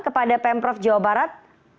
kepada pemprov jawa barat